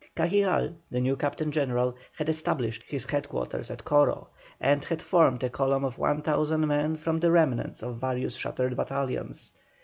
Cajigal, the new Captain General, had established his head quarters at Coro, and had formed a column of 1,000 men from the remnants of various shattered battalions.